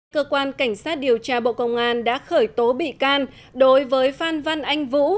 cơ quan cảnh sát điều tra bộ công an đã khởi tố bị can đối với phan văn anh vũ